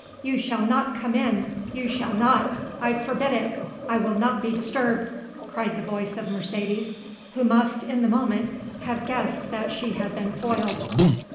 "You shall not come in! You shall not! I forbid it! I will not be disturbed!" cried the voice of Mercedes, who must, in the moment, have guessed that she had been foiled.